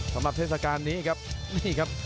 สำหรับเทศกาลนี้ครับนี่ครับ